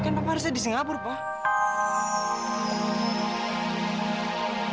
kan papa harusnya di singapura pak